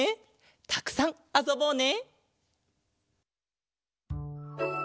たくさんあそぼうね。